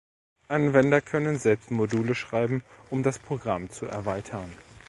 Anwender können selbst Module schreiben, um das Programm zu erweitern.